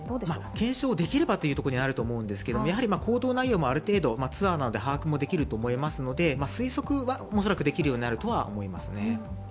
検証できればというところであると思うんですけれども、行動内容もある程度ツアーなので把握できると思いますし推測は恐らくできるようになるとは思いますね。